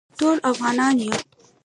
ټول افغانان یو